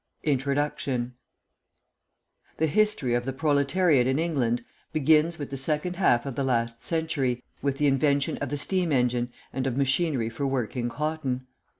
INTRODUCTION The history of the proletariat in England begins with the second half of the last century, with the invention of the steam engine and of machinery for working cotton.